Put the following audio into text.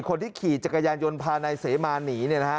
คนที่ขี่จักรยานยนต์พานายเสมาหนี